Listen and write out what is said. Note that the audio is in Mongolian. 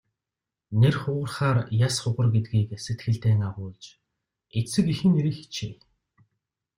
Нэр хугарахаар яс хугар гэдгийг сэтгэлдээ агуулж эцэг эхийн нэрийг хичээе.